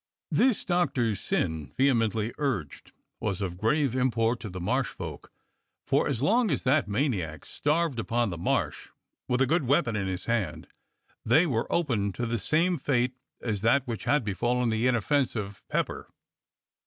This, Doctor Syn vehemently urged, was of grave im port to the Marsh folk, for so long as that maniac starved upon the Marsh, with a good weapon in his hand, they were open to the same fate as that which had befallen the inoffensive Pepper.